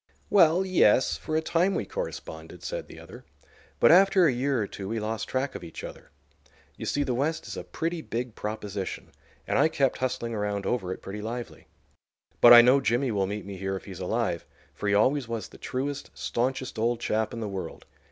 "Well, yes, for a time we corresponded," said the other. "But after a year or two we lost track of each other. You see, the West is a pretty big proposition, and I kept hustling around over it pretty lively. But I know Jimmy will meet me here if he's alive, for he always was the truest, stanchest old chap in the world.